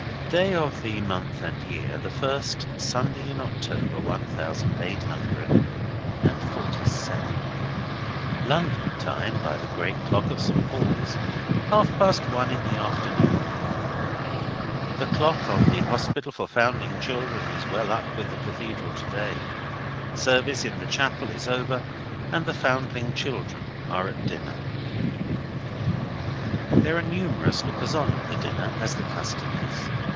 Day of the month and year, the first Sunday in October, one thousand eight hundred and forty seven. London Time by the great clock of Saint Paul's, half past one in the afternoon. The clock of the Hospital for Foundling Children is well up with the Cathedral to day. Service in the chapel is over, and the Foundling children are at dinner. There are numerous lookers on at the dinner, as the custom is.